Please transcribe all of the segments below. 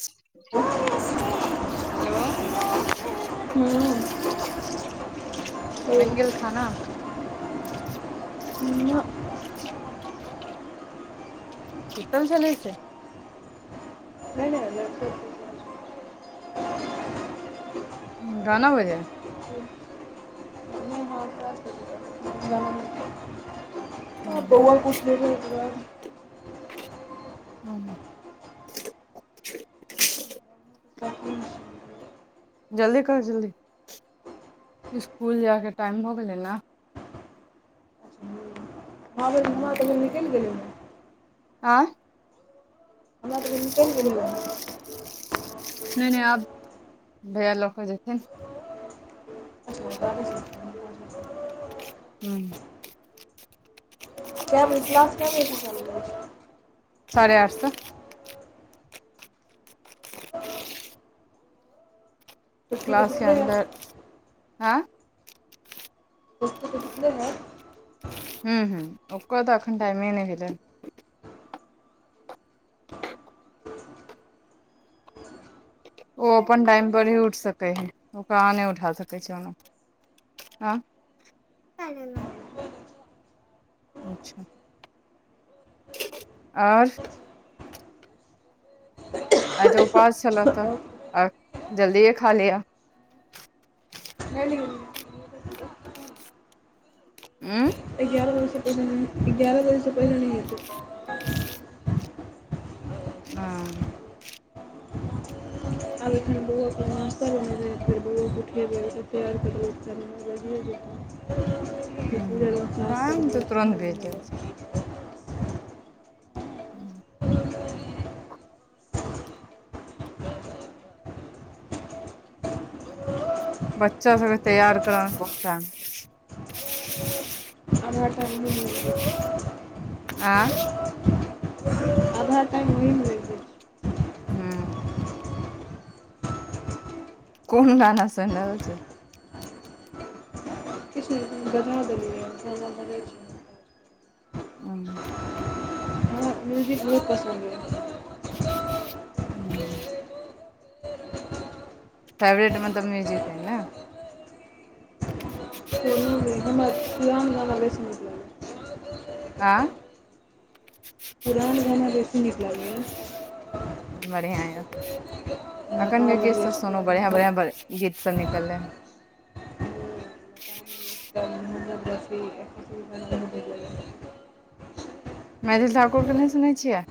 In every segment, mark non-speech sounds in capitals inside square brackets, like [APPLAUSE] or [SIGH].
ह। हैेलो। [INAUDIBLE] बनि गेला खाना? नहि। की सब चलै छै? नहि-नहि [INAUDIBLE] दाना बजे। [UNINTELLIGIBLE] बौआ उठेबे बौआ। हाँ जल्दी करू जल्दी, स्कूल जायके टाइम भऽ गेलै नहि। हमरा त भेल निकलि गेलियै। आँ। हमरा त भेल निकेल निकेल गेयियै अहाँ। नहि- नहि आब भैया लऽ कऽ जेथिन। [UNINTELLIGIBLE] हाँ। कै बजे क्लास कै बजे से चालु भ जाए छैय। साढ़े अठ सए। क्लास के अंदर, आँ खुशबू त सुतले हैत? हूँ- हूँ ओकर तऽ एखन टाइमे नहि भेलनि। ओ अपन टाइम पर ही उठि सकै हइ, ओकरा आहाँ नहि उठा सकै छैय, ओना। अ [UNINTELLIGIBLE] अच्छा! आर [INAUDIBLE] आय त उपास छलऽ त, आ जल्दि खा लिअ। नहि गेलियै। उूँ। एगारह बजस पहिले एगारह बजसँ पहिले नहि उठते। हु। आब एखन बौआके नास्ता बनैबै, तऽ फेर बौओ के उठियएबै, फेर तेयार करबे, फेर नो बजइ जेतै। हाँ, टाइम तऽ तुरंत बज जाइ छैय। हूँ। बच्चा सबके तैयार करामे बहुत टाइम [INAUDIBLE] आँ आधा टाइम होइ मे ओही मे लग जे छैय। हुँ। कुन गाना सुन रहल छीय। द देलियै है अपन गाना बजै छै। [UNINTELLIGIBLE] आ। खुब पसन्द [UNINTELLIGIBLE] फेवरेट [UNINTELLIGIBLE] हमरा पुरान गाना बेसी नीक लागैयै। आँ पुरान गाना बेसी नीक लागैएा बढ़िआ ये। एखनके गीतसभ सुनू बढ़िआँ बढ़िआँ ब गीतसभ निकललै है। [UNINTELLIGIBLE] मैथिली ठाकुरके नहि सुनै छियै।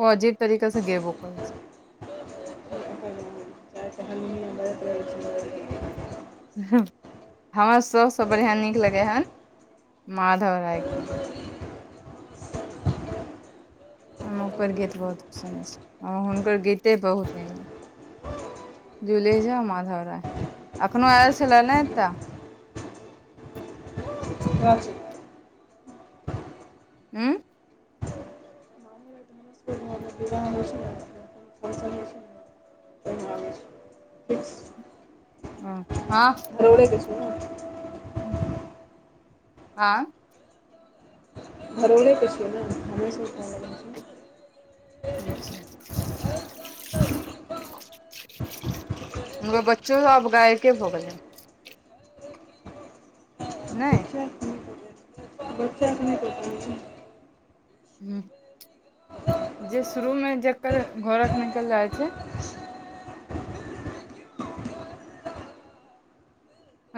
ओ अजीब तरीका से गेबो करै छैय। हं हमरा सबसँ बढ़िआँ नीक लगै हन माधव रायके गीत। हम ओकर गीत बहुत सुनै छीये, हं हुनकर गीते बहुत नीक जूली झा, माधव राय एखनो आयल छैलेना एकटा [UNINTELLIGIBLE] उं [UNINTELLIGIBLE] फंक्शन होई छै ने ओहिमे आबै छै। [UNINTELLIGIBLE] ह हँ [UNINTELLIGIBLE] के छै ने। हाँ [UNINTELLIGIBLE] के छै ने, हमरे सबके घर लग का छियै। [UNINTELLIGIBLE] हं बच्चो सब आब गायके भऽ गेलै। नहि। बच्चाके नहि पता अइछ। हं जे शुरू मे जकर घरक निकल जाइ छै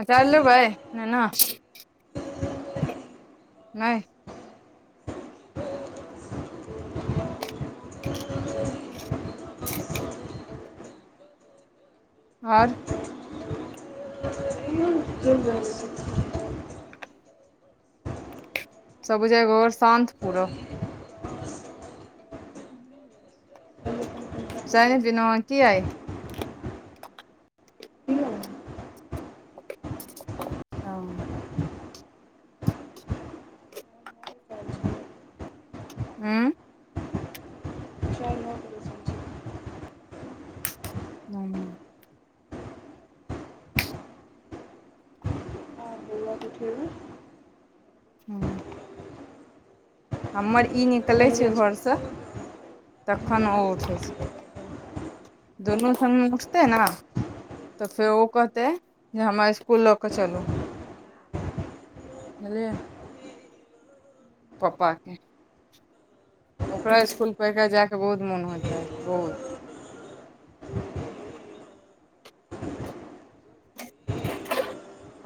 अचार लेबै नाना, नय [UNINTELLIGIBLE] आओर [UNINTELLIGIBLE] [UNINTELLIGIBLE] सब बुझाइये घर शांत पूरा सन दिन की आइ हँ हुं [UNINTELLIGIBLE] हॅं बौआ के उठेबै हॅं हमर ई निकलै छै घरस तखन ओ उठै छै। दुनू संगे उठतै न तऽ फेर ओ कहतै जे हमरा इसकुल लऽ कऽ चलू। हेले। पप्पा के ओकरा इसकुल पे एकरा जा कऽ बहुत मोन होइत रहै छैय बहुत।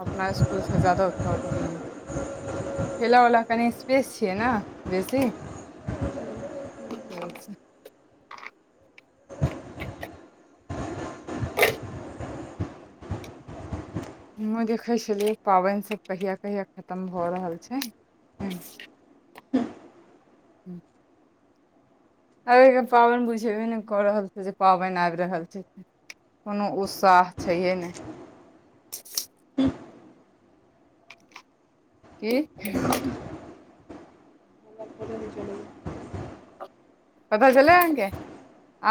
अपना इश्कुल से जदा उत्त कर [INAUDIBLE] खेलऽवला कनि स्पेस छियै ने बेसी। [INAUDIBLE] हम देखै छलियै पाबेन सब कहिया कहिया खतम भऽ रहल छैय ह। अइबेर के पाबे न बुझेबे नै कऽ रहल छैय जे पाबेन आइब रहल छैय। कोनो उत्साह छैहे नै। की। [INAUDIBLE] पता चल अहाँके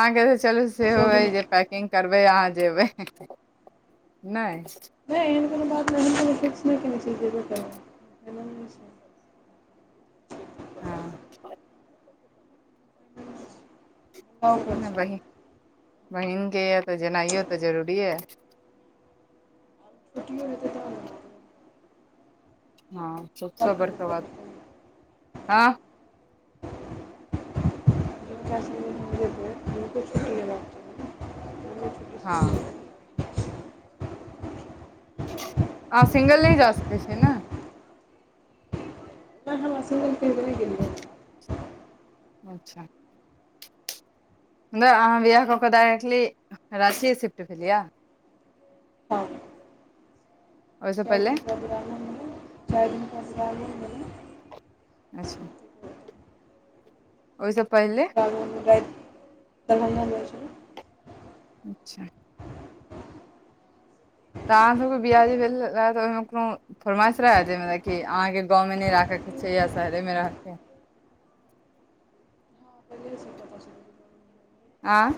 आगे त चलू सेहो ह जे पै किंग करबै अहाँ जेबै नै नहि एहन कोनो बात नहिन कोनो फिक्स नहि कने छै जेबे करै [UNINTELLIGIBLE] हँ। [UNINTELLIGIBLE] बहिन बहिनके यहँऽ तऽ जेनाइयो तऽ जरूरी यऽ। छुटीयो लेते तब न। हाँ सबसे बड़का बात हाँ। हाँ। अहाँ सिंगल नै जा सकी छी न। हम वहां सिंगल ट्रेन से ने गे ली [INAUDIBLE] अच्छा। नैअहाँ बियह कऽ- कऽ डायरेक्टली रांची शिफ्ट भेलया। हाँ। ओहिसँ चार पहिले दिन पर ग्रामीण चार दिन पर सवाल [UNINTELLIGIBLE] अच्छा। ओय से पहले। [UNINTELLIGIBLE] दरभंगा गेल छलै। अच्छा। तऽ अहाँसबके बिहारी भेल [UNINTELLIGIBLE] फरमाश रहा जे कि अहाँके गाँवमे ने राखैके छैय या शहरेमे रहते। पहिलेसै कते छैय। आँय।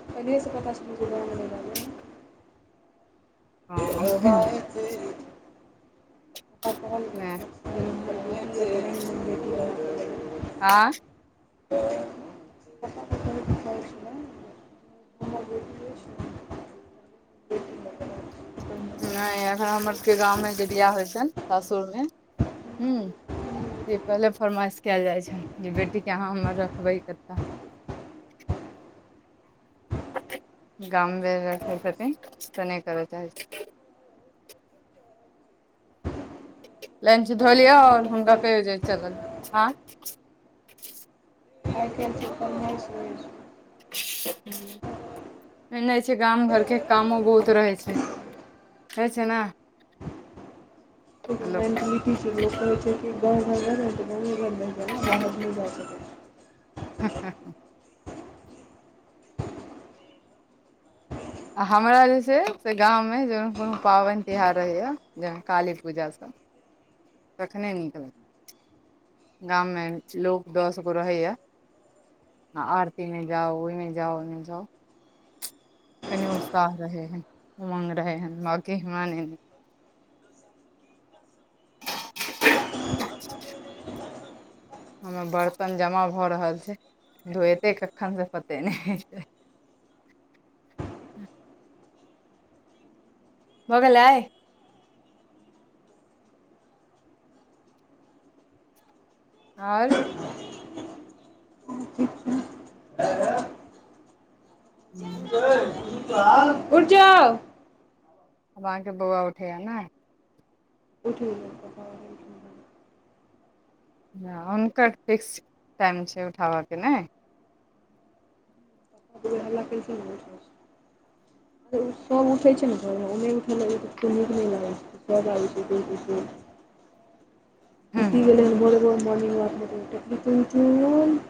पहले से कता छलौ जे गांव में न ये हाँ। मेय। [INAUDIBLE] हाँ। नै अखन हमर सबके गाँवमे जे बिआह होइ छैय सासुरमे हूँ। से पहिले फरमाइश कयल जाइ छैय जे बेटीके अहाँ हमर रखबै कतऽ। गाम में रखे छथिन तऽ ने करैला चाहे छैय। लंच धो लिहा और हुनका कहियो जे चलल हाँ। आइ के छोरी सब ने सुनें छैय। [UNINTELLIGIBLE] एने छै गाम घरके कामो बहुत रहै छै है छै न। केकरो लोक मेन्टलिटी छै लोक कहै छै कि गाँव घरमे [INAUDIBLE] बाहर ने जा सकै। [INAUDIBLE] आ हमरा जे छै से गाँवमे जे कोनो पाबनि तिहार रहैया। जेहन काली पूजा सब तखने नीकलत। गाम में लोक दस गो रहैया। हाँ आरतीमे जाउ ओहिमे जाउ ओमे जाउ। कनी उत्साह रहे है उमंग रहे है बाकी मन। [INAUDIBLE] हमर बर्तन जमा भऽ रहल छै धोएते कखन से पते नहि। भगेलै। और। ठीक छै। हूँ। [UNINTELLIGIBLE] उठजाउ। अब अहाँके बौआ उठैया न। उठ गलै [INAUDIBLE] हुनकर फिक्स टाइम छैय उठाब के नै। हल्ला केलखिन नै उठ रहल छै। त उ सब उठै छै न घरमे उ नै उठल रहै छै तऽ नीक नै लागल। सब [INAUDIBLE] [INAUDIBLE] की भेलै ह भोरे भोर मोर्निंग वाक मे गेल छथिन [INAUDIBLE]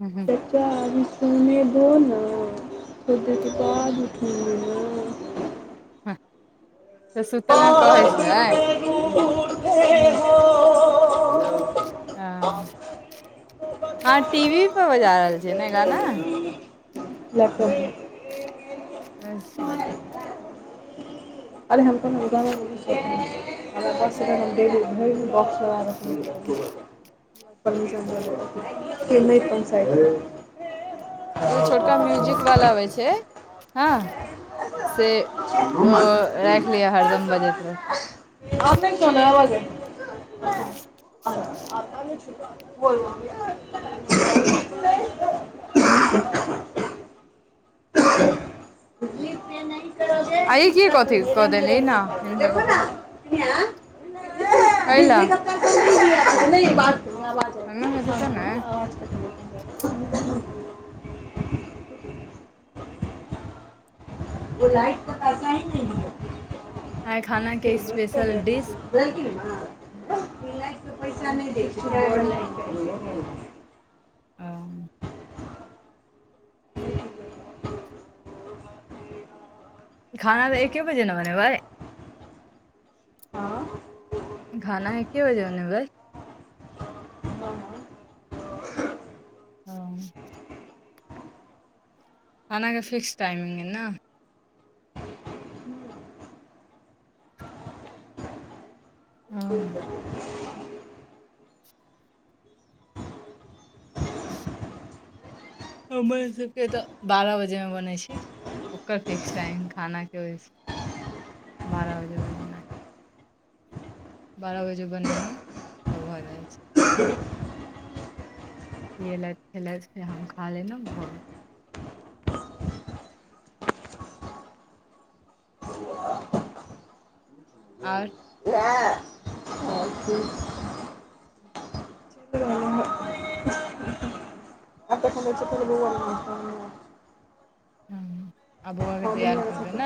हू हूँ। बच्चा अभी सोने दोना थोडी़ देरके बाद उठुगी न। तऽ सुतले मे कहै छै। [INAUDIBLE] ह अहाँ टी वी पर बजा रहल छियै नै गाना। लैपटॉप पर। अच्छा। आरे हम कोनो गाना बजबय छिये [UNINTELLIGIBLE] हमरा पाँच सेकेंड भजेतै भइर दिन बॉक्स दबेब। [UNINTELLIGIBLE] ना कोन [UNINTELLIGIBLE] एगो छोटका म्यूजिक वाला अबैइ छै हँ। से ओ राइख लिअ हरदम बजैत रह हम नहि [INAUDIBLE] बोल [UNINTELLIGIBLE] एतय नहि। आ ई की कथी कऽ देली न [UNINTELLIGIBLE] हिनका देखो न। कपड़ा मे, कनियाँ कैला बिजली कत ब [UNINTELLIGIBLE] ह अबाज एना हेतै तऽ ने [INAUDIBLE] ओ लाइट के पैसा ही नही आइ खाना के स्पेशल डिश बुझलखिन माँ [UNINTELLIGIBLE] आ [INAUDIBLE] [INAUDIBLE] ह [INAUDIBLE] खाना त एके बजे ने बनेबय। हँ खाना एके बजे बनेबय? हँ खाना के फिक्स टाइमिंग अइ न? हँ हमर सभके तऽ बारह बजे मे बनैय छै। ओकर फिक्स टाइम खाना के बारह बजे बनेबै। बारह बजे बनेलहुँ तऽ भऽ जाइ छै। इ एलैथ खेलैथ फेर हम खा लेलेहुॅ भऽ गेल। और इएह, [UNINTELLIGIBLE] [INAUDIBLE] हँ [INAUDIBLE] दुनिया के सबसँ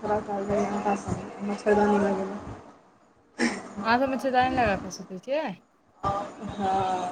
खराब काज होइये हमरा हिसाब से मच्छरदानी लगेनाइ। अहाँ सब मच्छरदानी लगा कऽ सुतै छियै? हँ